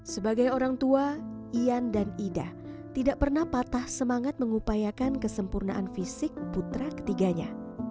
sebagai orang tua ian dan ida tidak pernah patah semangat mengupayakan kesempurnaan fisik putra ketiganya